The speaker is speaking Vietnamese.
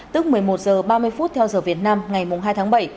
tức một mươi một h ba mươi phút theo giờ việt nam ngày hai tháng bảy